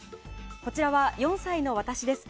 こちらは、４歳の私です。